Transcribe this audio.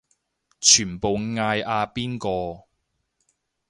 全部嗌阿邊個